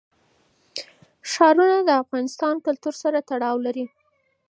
ښارونه د افغان کلتور سره تړاو لري.